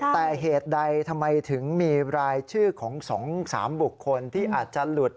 แต่เหตุใดทำไมถึงมีรายชื่อของ๒๓บุคคลที่อาจจะหลุด